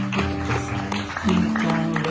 ดีจริง